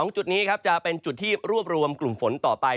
จุดนี้ครับจะเป็นจุดที่รวบรวมกลุ่มฝนต่อไป